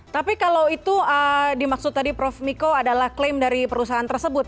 tapi kalau itu dimaksud tadi prof miko adalah klaim dari perusahaan tersebut